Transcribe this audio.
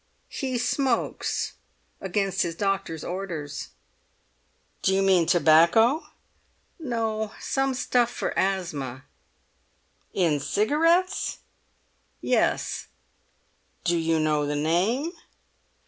"He smokes, against his doctor's orders." "Do you mean tobacco?" "No—some stuff for asthma." "In cigarettes?" "Yes." "Do you know the name?"